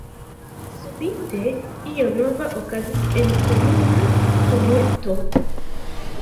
Subite io nova okazis en komuna tumulto.